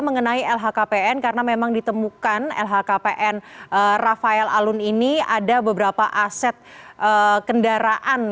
mengenai lhkpn karena memang ditemukan lhkpn rafael alun ini ada beberapa aset kendaraan